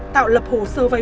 tạo lập hồ sơ vay